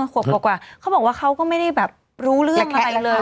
ขวบกว่าเขาบอกว่าเขาก็ไม่ได้แบบรู้เรื่องอะไรเลย